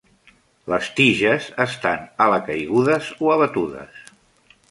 Les tiges estan alacaigudes o abatudes.